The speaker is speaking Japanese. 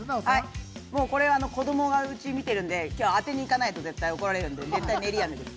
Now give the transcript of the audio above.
もうこれは子供がうち見てるんで今日当てに行かないと絶対怒られるんで絶対ねりあめです。